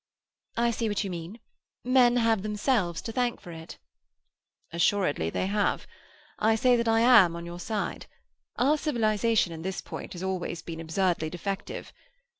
"I see what you mean. Men have themselves to thank for it." "Assuredly they have. I say that I am on your side. Our civilization in this point has always been absurdly defective.